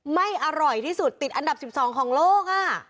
ไม่อร่อยที่สุดติดอันดับ๑๒ของโลก